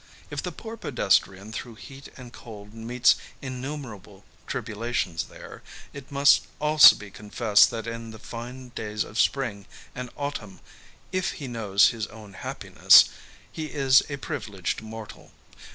If the poor pedestrian through heat and cold meets innumerable tribulations there, it must also be confessed that in the fine days of spring and autumn, ^ if he knows his own happi ness," he is a privileged mortal.